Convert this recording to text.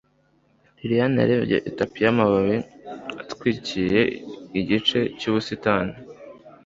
lilian yarebye itapi yamababi atwikiriye igice cyubusitani